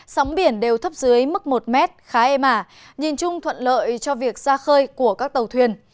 sóng biển đều thấp dưới mức một mét khá ê mả nhìn chung thuận lợi cho việc ra khơi của các tàu thuyền